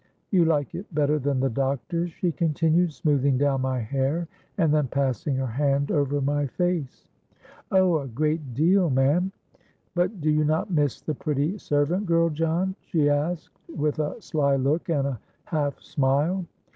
—'You like it better than the doctor's?' she continued, smoothing down my hair, and then passing her hand over my face.—'Oh! a great deal ma'am.'—'But do you not miss the pretty servant girl, John?' she asked, with a sly look and a half smile.